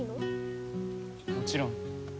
もちろん。